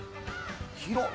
広っ！